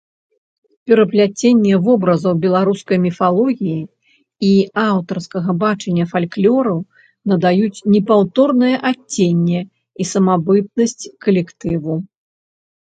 Перапляценне вобразаў беларускай міфалогіі і аўтарскага бачання фальклору надаюць непаўторнае адценне і самабытнасць калектыву.